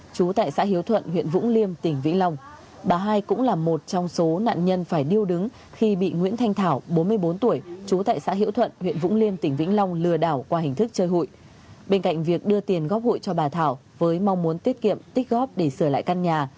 bà hai cũng là một trong số nạn nhân phải điêu đứng khi bị nguyễn thanh thảo bốn mươi bốn tuổi trú tại xã hiễu thuận huyện vũng liêm tỉnh vũng liêm tỉnh vũng liêm chiếm đoạt số tiền trên bốn trăm hai mươi triệu đồng